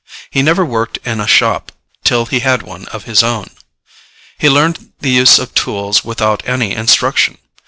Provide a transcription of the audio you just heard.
He never worked in a shop till he had one of his own. He learned the use of tools without any instruction.